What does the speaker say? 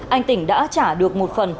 anh tỉnh đã trả được một phần